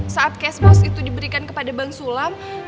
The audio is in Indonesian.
saat cashbos itu diberikan kepada bank sulam